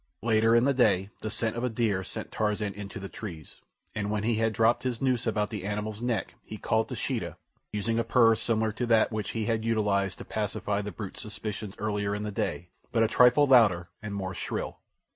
Later in the day the scent of a deer sent Tarzan into the trees, and when he had dropped his noose about the animal's neck he called to Sheeta, using a purr similar to that which he had utilized to pacify the brute's suspicions earlier in the day, but a trifle louder and more shrill.